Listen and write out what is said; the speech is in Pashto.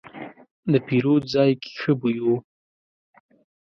د پیرود ځای کې ښه بوی و.